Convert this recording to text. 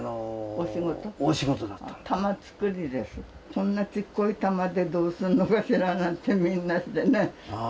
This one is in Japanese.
こんなちっこい弾でどうすんのかしらなんてみんなしてね。